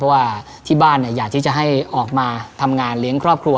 เพราะว่าที่บ้านอยากที่จะให้ออกมาทำงานเลี้ยงครอบครัว